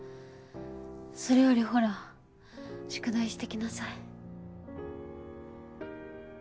それよりほら宿題してきなさい。